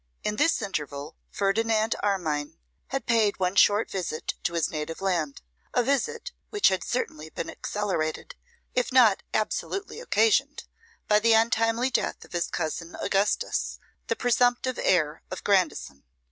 In this interval Ferdinand Armine had paid one short visit to his native land; a visit which had certainly been accelerated, if not absolutely occasioned, by the untimely death of his cousin Augustus, the presumptive heir of Grandison.